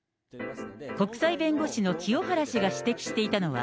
国際弁護士の清原氏が指摘していたのは、